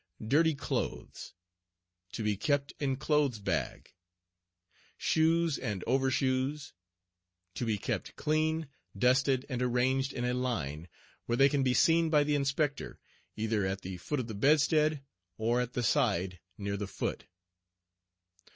Dirty Clothes To be kept in clothes bag. Shoes and Over Shoes To be kept clean, dusted, and arranged in a line where they can be seen by the Inspector, either at the foot of the bedstead or at the side near the foot.